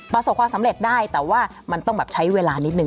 ประสบความสำเร็จได้แต่ว่ามันต้องแบบใช้เวลานิดนึ